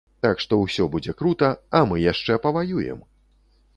Так што ўсё будзе крута, а мы яшчэ паваюем!